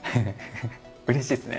うれしいですね。